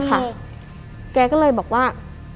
แกก็เลยบอกว่า